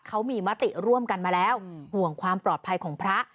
เขามีมติร่วมกันมาแล้วห่วงความปลอดภัยของพระ